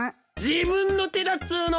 自分の手だっつうの！